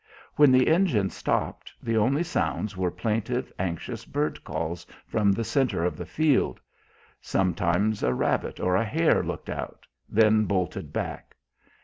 When the engine stopped the only sounds were plaintive, anxious bird calls from the centre of the field; sometimes a rabbit or a hare looked out, then bolted back.